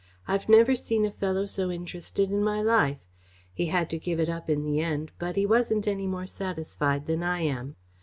I've never seen a fellow so interested in my life. He had to give it up in the end, but he wasn't any more satisfied than I am."